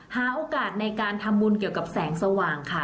หาโอกาสในการทำบุญเกี่ยวกับแสงสว่างค่ะ